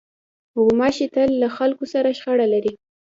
غوماشې تل له خلکو سره شخړه لري.